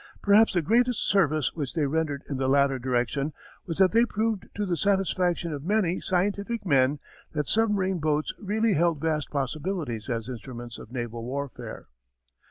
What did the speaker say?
Perhaps the greatest service which they rendered in the latter direction was that they proved to the satisfaction of many scientific men that submarine boats really held vast possibilities as instruments of naval warfare.